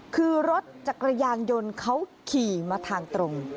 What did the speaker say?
คือรถจักรยานยนต์เขาขี่มาทางตรง